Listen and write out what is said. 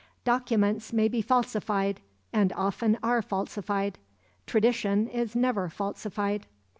Documents may be falsified, and often are falsified; tradition is never falsified."